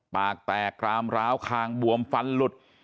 ปากแตกกรามร้าวคางบวมฟันหลุด